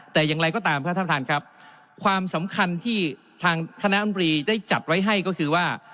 แต่อย่างไรก็ตามครับท่านประธานครับความสำคัญที่ทางคณะอำรีได้จัดไว้ให้ก็คือว่า